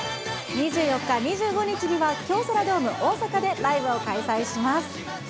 ２４日、２５日には京セラドーム大阪でライブを開催します。